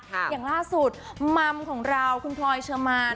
อย่างล่าสุดมัมของเราคุณพลอยเชอร์มาน